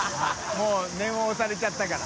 發念を押されちゃったから。